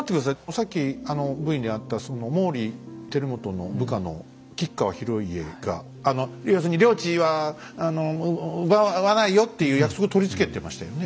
さっきあのＶにあった毛利輝元の部下の吉川広家が要するに領地は奪わないよっていう約束取り付けてましたよね。